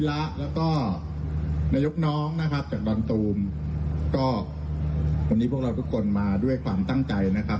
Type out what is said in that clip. แล้วก็นายกน้องนะครับจากดอนตูมก็วันนี้พวกเราทุกคนมาด้วยความตั้งใจนะครับ